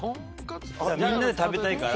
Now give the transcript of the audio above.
みんなで食べたいから。